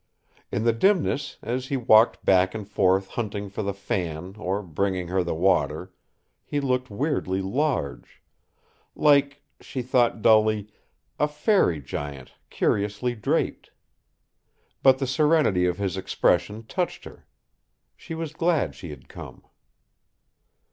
In the dimness, as he walked back and forth hunting for the fan or bringing her the water, he looked weirdly large like, she thought dully, a fairy giant curiously draped. But the serenity of his expression touched her. She was glad she had come.